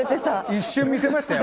一瞬見せましたよ。